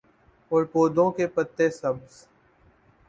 اور پودوں کے پتے سبز